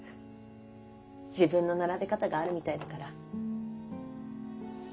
自分の並べ方があるみたいだから。